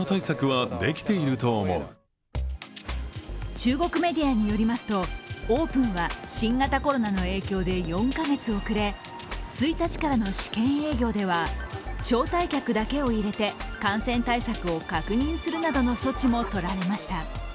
中国メディアによりますと、オープンは新型コロナの影響で４カ月遅れ１日からの試験営業では招待客だけを入れて感染対策を確認するなどの措置もとられました。